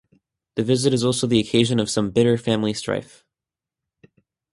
The visit is also the occasion of some bitter family strife.